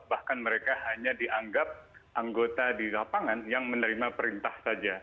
bahkan mereka hanya dianggap anggota di lapangan yang menerima perintah saja